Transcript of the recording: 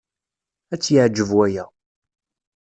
Ad tt-yeɛjeb waya.